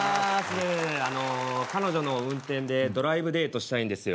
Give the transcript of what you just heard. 彼女の運転でドライブデートしたいんですよ。